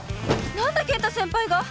何で健太先輩が！？